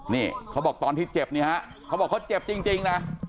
นี่เขาบอกตอนที่เจ็บนี่ฮะเขาบอกเขาเจ็บจริงนะ